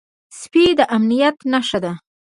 سپي د امنيت نښه ده.